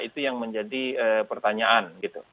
itu yang menjadi pertanyaan